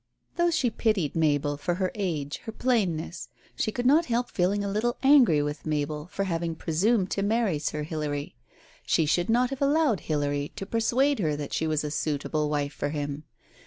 Though she pitied Mabel for her age, her plainness, she could not help feeling a little angry with Mabel for having presumed to marry Sir Hilary; she should not have allowed Hilary to persuade her that she was a suitable wife for him.